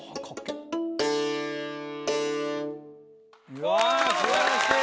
うわ素晴らしい！